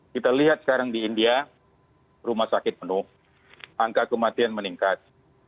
kita lihat sekarang di india rumah sakit penuh angka kematian meningkat